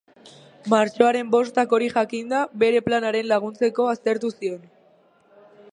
Martxoaren bostak hori jakinda, bere planean laguntzeko aztertu zion.